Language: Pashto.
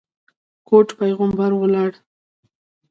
ګوډ پېغمبر ولاړ.